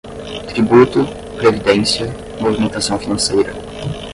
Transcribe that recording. tributo, previdência, movimentação financeira